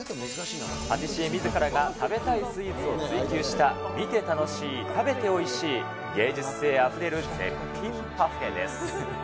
パティシエみずからが食べたいスイーツを追求した、見て楽しい、食べておいしい、芸術性あふれる絶品パフェです。